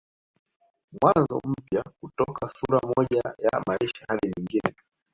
Mwanzo mpya kutoka sura moja ya maisha hadi nyingine